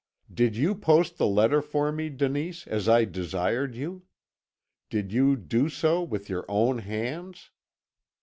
"'Did you post the letter for me, Denise, as I desired you? Did you do so with your own hands?